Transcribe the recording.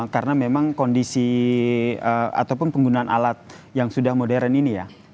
karena memang kondisi ataupun penggunaan alat yang sudah modern ini ya